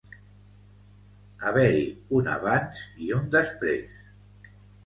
Haver-hi un abans i un després.